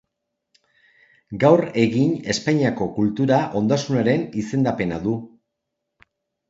Gaur egin Espainiako Kultura ondasunaren izendapena du.